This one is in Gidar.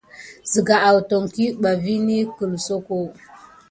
Ziga àton kik à vini gəlsoko.